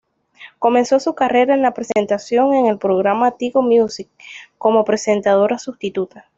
Comenzó su carrera en la presentación en el programa Tigo Music, como presentadora sustituta.